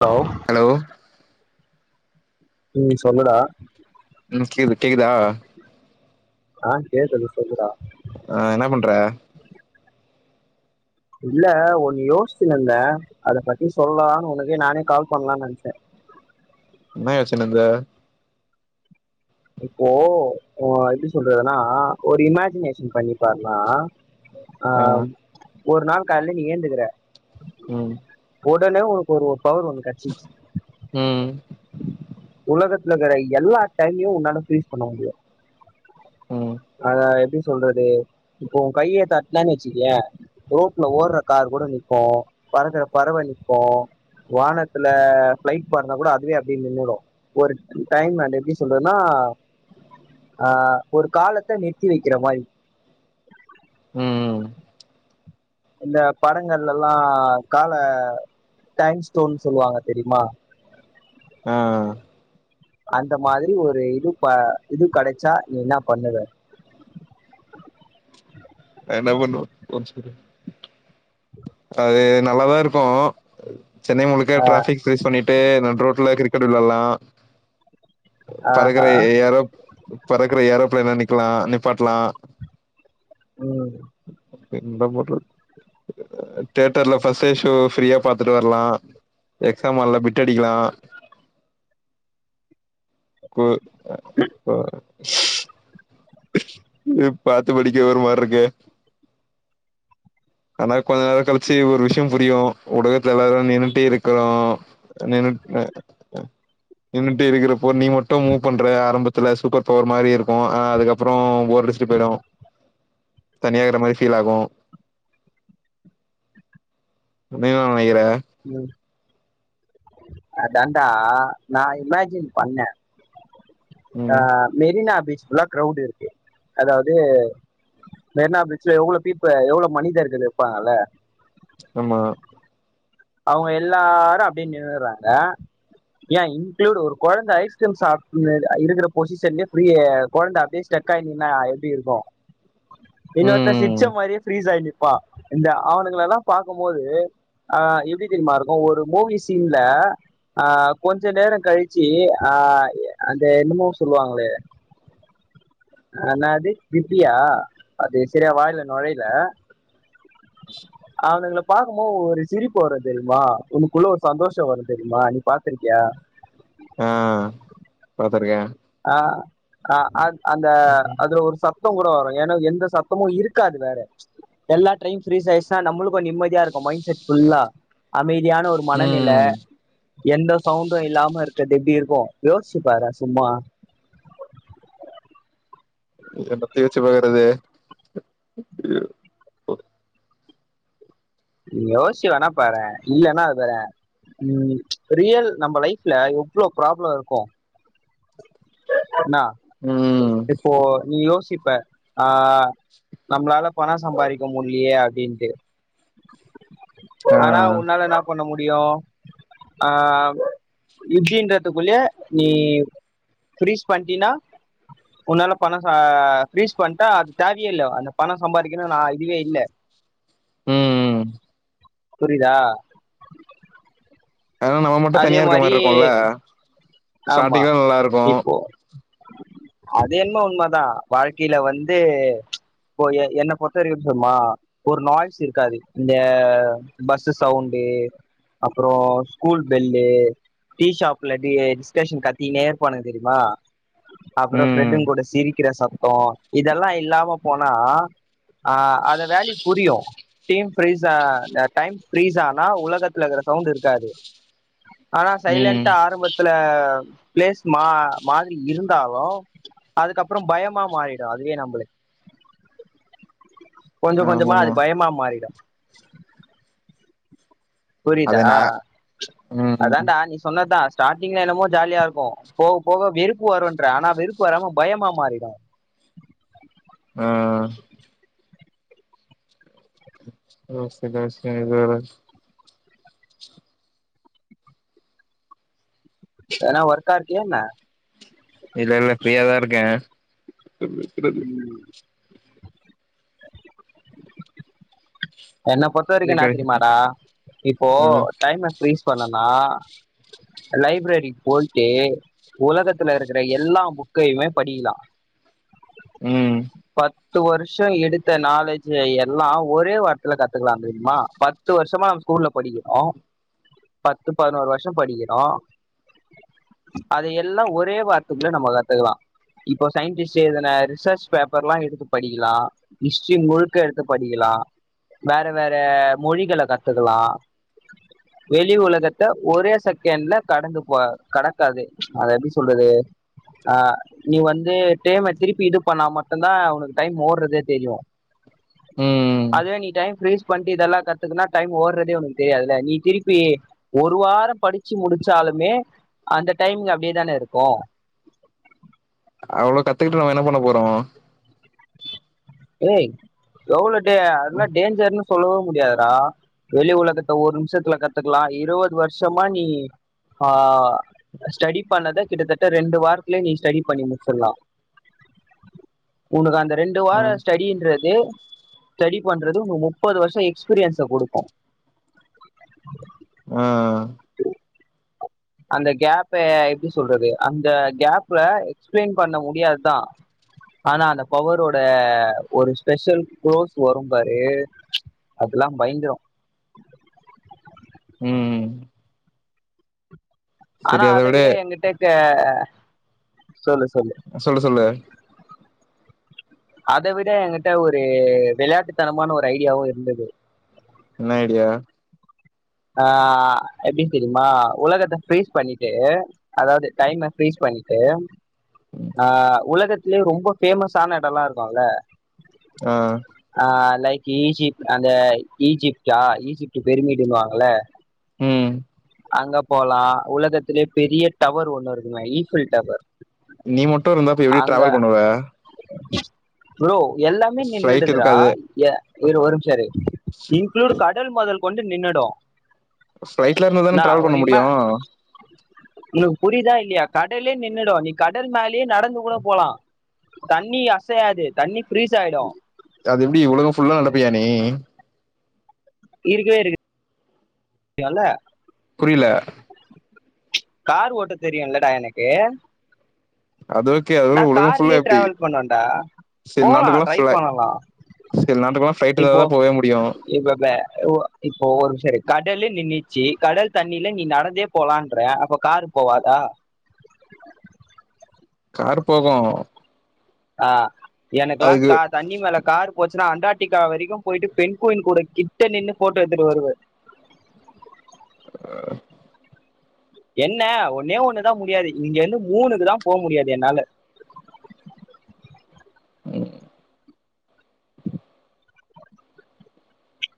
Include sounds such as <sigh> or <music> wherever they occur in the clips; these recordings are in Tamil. லோவ் ஹலோ ம் சொல்லுடா ம் கேக்து கேக்குதா ஆ கேக்குது சொல்லுடா ஆ என்ன பண்ற இல்ல ஒன்னு யோசிச்சுனு இருந்தே அத பத்தி சொல்லான்னு உனக்கு நானே கால் பண்லாம் நெனைச்சே என்ன யோசிச்சுனு இருந்த இப்போ ஓ எப்டி சொல்றதுன்னா ஒரு இமேஜினேஷன் பண்ணி பாருனா ஆ ஒரு நாள் கால்ல நீ ஏந்துக்கற ம் ஓடனே ஊர்க்கு வருவோ பவரு ஒண்ணு கட்சி ம் உலகத்துல இருக்கற எல்லா டைமையு உன்னால பீல் பண்ண முடியாது ம் அத எப்டி சொல்றது இப்போ உன் கையை கட்ன வச்சுக்கயே ரோட்ல ஓடுற கார் கூட நிக்கு பறக்குற பறவ நிக்கு வானத்துல பிளைட் பறந்தா கூட அதுவே அப்டியே நின்னுடு ஒரு டைம் அது எப்டி சொல்றதுன்னா ஆ ஒரு காலத்த நிறுத்தி வைக்கிற மாரி ம் இந்த படங்கள்லலா கால டைம் ஸ்டோன் சொல்லுவாங்க தெரியுமா ஆ அந்த மாரி ஒரு இது ப இது கடைச்சா நீ இன்னா பண்ணுவ என்ன பண்ண அது நல்லாதா இருக்கு சென்னை முழுக்க டிராபிக் ஃபேஸ் பண்ணிட்டே நட்ரோட்டில கிரிக்கெட் வெலாலா ப்பக்கு பறக்கற ஆஹா எ ஏரோப் பறக்கற ஏரோப்ளைனா நிங் க்கலா நிப்பாட்லா ம் வே இந்த போற்றுக்கு தியேட்டர்ல பர்ஸ்டே ஷோ ஃப்ரீயா பாத்துட்டு வரலா எக்ஸாம் ஆள்ல பிட்டு அடிக்கலா ஓ குப்ப பாத்து படிக்க ஒரு மாரிருக்கே ஆனா கொஞ்ச நேர கழிச்சு ஒரு விஷயம் புரியு உலகத்துல எல்லாரு நின்னுட்டே இருக்கிறோ நின்னு நின்னுட்டு இருக்கிறப்போ நீ மட்டு மூவ் பண்ற ஆரம்பத்துல சூப்பர் பவர் மாரிருக்கு ஆனா அதுக்கப்பு அப்றோ போர்ரடிச்சிட்டு போயிடு தனியாகற மாரி ஃபீல் ஆகு <unintelligible> நெனைக்கிற அதாண்டா நா இமேஜின் பண்ணே அ ம் மெரினா பீச் ல்லா கிரௌட் இருக்கு அதாவது மெரினா பீச்ல எவ்ளோ பீப்பு எவ்ளோ மனிதர்கள் இருப்பாங்கல ஆமா அவங்க எல்லாரு அப்டியே நின்னுறாங்க ஏ இன்களூடு ஒரு கொழந்த ஐஸ்கிரீம் ஷாப் இருக்கிற பொசிஷன்லயே ழந்த அப்டியே ஸ்டெக் ஆய் நின்னா எப்டி இருக்கு இன்னொருத்த ம் சிரிச்ச மாரியே <unintelligible> கொழந்த ப்ரீஸ் ஆய் நிப்பா இந்த அவனுங்கலலா பாக்போது ஆ எப் எப்டி தெரியுமா இருக்கு ஒரு மூவி சீன்ல ஆ கொஞ்ச நேரோ கழிச்சு ஆ அந்த என்னமோ சொல்லுவாங்களே ஆ என்னாது <unintelligible> அது சேரியா வாய்ல நொழையில அ அவங்கள பாக்போது ஒரு ஒரு சிரிப்பு வரு தெரியுமா உனக்குள்ள ஒரு சந்தோஷோ வரு தெரியுமா நீ பாத்துருக்கியா சரிக்கா ஆ ஹா அது அந்த அதுல ஒரு சப் சத்தம் கூட வரு ஏன்னா எந்த சத்தமும் இருக்காது வேற. எல்லா ட்ரெயின் ஃப்ரீஸ் ஆயிருச்னா நம்மளுக்கு நிம்மதியா இருக்கு மைண்ட் செட் புல்லா அமை தியான ஒரு மனநில ம் எந்த சவுண்டு இல்லாம இருக்கது எப்டிருக்கு யோசிச்சு பாரே சும்மா இத பத்தி யோச்சி பாக்றது <unintelligible> யோசிச்சி வேணா பாறே இல்லன்னா அது பாறே உம் ப்ச் ரியல் நம்ம லைஃப்ல எவ்ளோ ப்ராப்ளொ இருக்கு? என்னா ம் இப்போ நீ யோசி இப்ப ஆ நம்ளால பண சம்பாதிக்க முடிலயே அப்டின்ட்டு ஆ ஆனா உன்னால என்னா பண்ண மு முடியு இப்டின்றதுக்குள்ளயே நீ ஃப்ரீஸ் பண்ணிட்டினா உன்னால பணம் ச அ ஃப்ரீஸ் பண்ட்டா அது தேவையே இல்ல அந்த பண சம்பாதிக்கணு ஆ இதுவே இல்ல ம் ம் ம் புரிதா அனா நம்ம மட்டு தனியா இருக்க மாரி இருக்கோல்ல. ஆமா ஸ்டார்ட்டிங்ல நல்லா இருக்கு. இப்போ அது என்மோ உண்மதா வாழ்க்கையில வந்து போய் எ என்ன பொறுத்த வரைக்கு சொன்னா ஒரு நாய்ஸ் இருக்காது இந்த பஸ்ஸு சவுண்ட்டு அப்றோ ஸ்கூல் பெல்லே, டீ ஷாப்ல டீ, பிஸ் ஸ்டேஷன் கத்திகுனே இருப்பானுங்க தெரிமா அப்றோ ம் ஃப்ரெண்டுங்க கூட சிரிக்கிற சத் தோ இதெல்லா இல்லாம போனா ஆ அந்த வேல்யு புரியு டீம் ஃப்ரீஸா இல்ல டைம் ஃப்ரீஸ் ஆனா உலகத்துல இருக்குற சவுண்ட் இருக்காது. ஆனா ம் சைலன்ட்டா ஆரம்பதுல அ பிளேஸ் மா மாரி இருந்தாலு அதுக்கப்றோ பயமா மாறிடு அதுவே நம்பளுக் கொஞ்சொ கொஞ்சொமா அது ஆமாமா பயமா மாறிடு. புரிதா? அது நா ம் அதாண்டா நீ சொன்னதுதா ஸ்டாட்டிங்ல என்னமோ ஜாலியா இருக்கு. போக போக வெறுப்பு வருன்ற. ஆனா வெறுப்பு வராம பயமா மாறிடு. ஆ ஓ சந்தோஷோ இது வேற வென்னா ஒர்க்கா இரு க்கியா என்ன? இல்ல இல்ல ஃப்ரீயா தா இருக்கே. இதுக்கு பிறகு என்ன பொறுத்த வரைக்கு என்னா தெரிமாடா இப்போ டைம்ம ஃப்ரீஸ் பண்ணனா லைப்ரரிக்கு போய்ட்டு உலகத்துல இருக்குற எல்லா புக்கையுமே படிக்கலா ம் ப த்து வருஷோ எடுத்த நாலேஜ்ஜ எல்லா ஒரே வ ர்த்துல கத்துக்கலா தெரியுமா பத்து வருஷமா நம்ம ஸ்கூல்ல படிக்கிறோ பத்து பதினோரு வருஷ படிக்கிறோ அத எல்லா ஒரே வாரத்துக்குள்ள நம்ம கத்துக்கலா இப்போ சயின்டிஸ்ட் எழுதுன ரிசர்ச் பேப்பர்லா எடுத்து படிக்கிலா ஹிஸ்ட்ரி முழுக்க எடுத்து படிக்கலா வேற வேற மொழிகள கத்துக்குலா வெளி உலகத்த ஒரே செகண்ட்ல கடந்து போ கடக்காது அத எப்டி சொல்றது ஆ நீ வந்து டேம திருப்பி இது பண்ணா மட்டுதா உனக்கு டைம் ஓட்றதே தெரியு ம் அதுவே நீ ஃப்ரீஸ் பண்ட்டு இதெல்லா கத்துக்குனா டைம் ஓட்றதே உனக்கு தெரியாதுல்ல நீ திருப்பி ஒரு வார படிச்சு முடிச்சாலுமே அந்த டைமிங் அப்டியேதானே இருக்கு அவ்வளோ கத்துக்குட்டு நம்ம என்ன பண்ண போறோ ஏய் எவ்ளோ டே அதெல்லா டேஞ்சர்னு சொல்லவோ முடியாதுடா வெளி உலகத்த ஒரு நிமிஷத்துல கத்துக்குலா இருவது வருஷமா நீ ஆ ஸ்டடி பண்ணத கிட்டத்தட்ட ரெண்டு வாரத்துலயே நீ ஸ்டடி பண்ணி முச்சிட்லா உனக்கு அந்த ரெண்டு ஆ வார ஸ்டடின்றது ஸ்டடி பண்றது உனக்கு முப்பது வருஷ எக்ஸ்பீரியன்ஸ கொடுக்கு ஆ அந்த கேப்ப எப்டி சொல்றது அந்த கேப்ல எக்ஸ்பிளைன் பண்ண முடியாதுதா ஆனா அந்த பவரோட ஒரு ஸ்பெஷல் க்ளோஸ் வரும் பாரு அதுல்லா பயங்கரோ ம் ஆனா அத விட எங்கிட்ட க்க சொல்லு சொல்லு அத விட எங்கிட்ட ஒரு விளையாட்டுத்தனமான ஒரு ஐடியாவு இருந்தது என்ன ஐடியா ஆ எப்டி தெரியுமா உலகத்த ஃப்ரீஸ் பண்ணிட்டு அதாவது டைம ஃப்ரீஸ் பண்ணிட்டு ஆ உலகத் துலயே ரொம்ப ஃபேமஸான எடோல்லா இருக்குல்ல ம் லைக் ஈஜிப்ட் அந்த ஈஜிப்டா ஈஜிப்ட் பெருமிடுனுவங் அல ம் அங்க போலா உலகத்துலே பெரிய டவர் ஒண்ணு இருக்குமே ஈஃபில் டவர் நீ மட்டு இருந்தா அப்போ எப்டி அங்க ட்ராவெல் பண்ணுவ ப்ரோ எல்லாமே ஃப்ளைட் நின்னுடுதுரா இருக்காது ய இரு ஒரு நிமிஷ இரு இன்க்ளூட் க டல் முதல் கொண்டு நின்னுடு சைட்ல இருந்துதான ட்ராவெல் பண்ண இம முடியு உனக்கு புரியதா இல்லையா கடலே நின்னுடு நீ கடல் மேல ப்டியே நடந்து கூட போலா தண்ணி அசையாது தண்ணி ஃப்ரீஸ் ஆயிடும் அது எப்புடி ஒழுங்கா ஃபுல்லா நடப்பியா நீ இருக்கவே இருக்கு க்லால்ல புரியில கார் ஓட்ட தெரியுல்லடா எனக்கு அது ஓகே அது நா உலகம் ஃபுல்லா கார்லே எப்டி டிராவல் பண்ணுவேண்டா சில போலா நாட்டுக்குல்லா ட்ரை ஃப்ளை பண்ணலா சில நாட்டுக்கெல்லா ஃப்ளைட் இருந்தா தா இப்போ தான் போவே முடியு இப்போ ப உ இப்போ ஒரு சரி கடலு நின்னுச்சு கடல் தண்ணில நீ நடந்தே போலான்றே அப்போ காரு போவாதா காரு போகூ ஆ எனக்கெல்லா கா தண்ணி மேல காரு போச்சு சுன்னா அண்டார்ட்டிகா வெரிக்கும் போயிட்டு பெண்குயின் கூட கிட்ட நின்னு ஃபோட்டோ எடுத்துட்டு வருவ ஆஹ என்ன ஒன்னே ஒண்ணுதா முடியாது இங்கந்து மூணுக்குதா போ முடியாது என்னால உஹ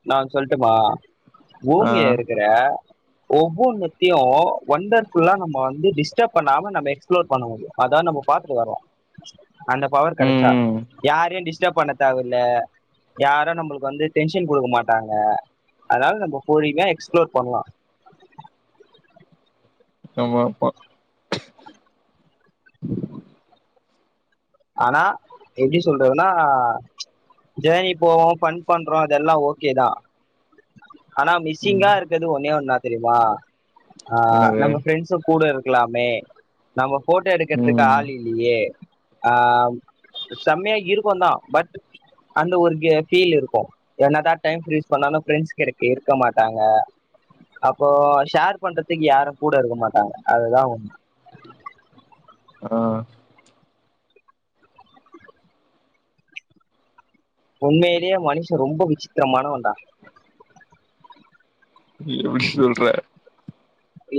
நா ஒன்னு சொல்ட்டுமா ஆ பூமிய இருக்குற ஒவ்வொன்னத்தையு ஒண்டர்ஃபுல்லா நம்ம வந்து டிஸ்டப் பண்ணாம நம்ம எக்ஸ்ப்ளோர் பண்ண முடியு அதா நம்ம பாத்துட்டு வரோ அந்த பவர் கெடச்சா ம் ம் யாரையு டிஸ் டிஸ்டப் பண்ண தேவஇல்ல யாரு நம்பளுக்கு வந்து டென்ஸ் டென்சன் குடுங்க மாட்டாங்க அதுனால நம்போ கூலிங்கா எக்ஸ்ப்ளோர் பண்லா ஆமா அப்பா உ <unintelligible> ஆனா எப்டி சொல்றதுன்னா ஜர்னி போவோ ஃபன் பண்றோ அதெல்லா ஓகேதா ஆனா மிஸ்ஸிங்கா ம் இருக்கது ஒன்னே ஒன்னா தெரிமா ஆ என்னது நம்ம ஃப்ரெண்ட்ஸு கூட இரு இருக்கலாமே நம்ம போட்டோ எடுக்கறதுக்கு ம் ஆள் இல்லியே ஆ செம்மையா இருக்கு தா பட் அந்த ஒரு கெ ஃபீல் இருக்கு என்னதா டைம் ஃப்ரீஸ் பண்ணாலு ப்ரெண்ட்ஸ் கெடைக்க இருக்க மாட்டாங்க அப்போ ஷேர் பண்றதுக்கு யாரு கூட இருக்க மாட்டாங்க அதுதா ஒன்னு ஆ உண்மேலயே மனுஷ ரொம்ப விச்சித்திரமானவன் <unintelligible> <unintelligible> சொல்ற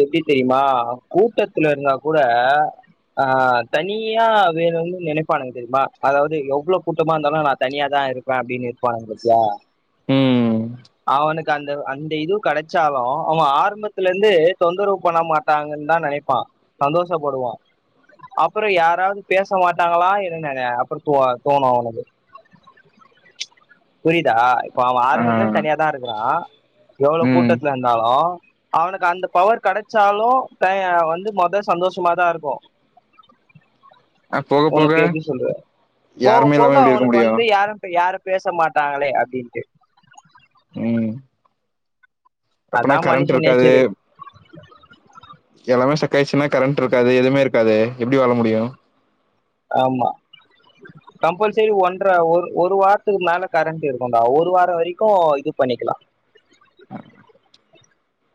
எப்டி தெரியுமா கூட்டத்துல இருந்தா கூட ஆ தனியா வேற வந்து நெனைப்பானுங்க தெரியுமா அதாவது எவ்ளோ கூட்டமா இருந்தாலு நா தனியாதா இருப்பே அப்டின்னு இருப்பானுங்க பாத்தியா ம் அவனுக் அந்த அந்த இதுவு கெடைச்சாலு அவ ஆரம்பத்துல இருந்து தொந்தரவு பண்ண மாட்டாங்கன் தா நெனைப்பா சந்தோஷப்படுவோ அப்பறோ யாராவது பேச மாட்டாங்களா <unintelligible> அப்பறோ தோ தோணு அவ அவனுக்கு புரியுதா இப்ப அவ ஆ ஆரம்பத்துல இருந்து தனியாதா இருக்குறா எவ்ளோ ம் கூட்டத்துல இருந்தாலு அவனுக்கு அந்த பவர் கெடைச்சாலு டைய வந்து மொத சந்தோஷமாதா இருக்கு அ போக போக உனக்கு எப்டி சொல்ற போக யாருமே போக இல்லாம எப்டி இருக்க அவனுக்கு முடியு வந்து யாருட யாரு பேச மாட்டாங்களே அப்டின்ட்டு ம் அப்பனா அதா கரண்ட் மனுஷ இருக்காது நேச்சரு எல்லாமே சக்காயிருச்சுன்னா கரண்ட் இருக்காது எதுவுமே இருக்காது எப்டி வாழ முடியு ஆமா கம்பல்சரி ஒன்ற ஒரு ஒரு வாரத்துக்கு மேல கரண்ட் இருக்குன்டா ஒரு வாரோ வரைக்கு இது பண்ணிக்கிலா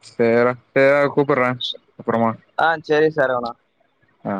சேர்ரா சேர்ரா கூப்பற்றே அப்றமா ஆ சரி சரவணா ஆ